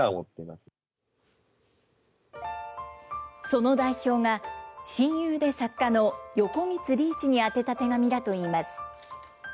その代表が、親友で作家の横光利一に宛てた手紙だといいます。